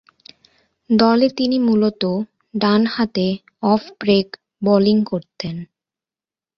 দলে তিনি মূলতঃ ডানহাতে অফ ব্রেক বোলিং করতেন।